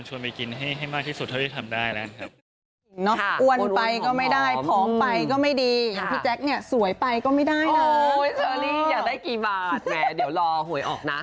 เชอร์ลี่อยากได้กี่บาทเดี๋ยวรอโหยออกนะ